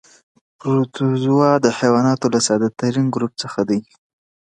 پروتوزوا د حیواناتو له ساده ترین ګروپ څخه دي.